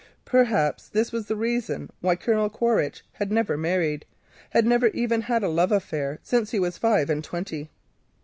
Perhaps this was the reason why Colonel Quaritch had never married, had never even had a love affair since he was five and twenty.